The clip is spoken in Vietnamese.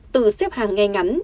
từ xếp hàng ngay ngắn